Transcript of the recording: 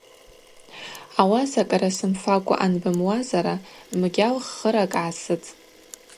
Ауаса кӏара сымфакӏва анбымуазара мгьал ххыракӏ гӏасыт.